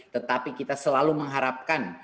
tetapi kita selalu mengharapkan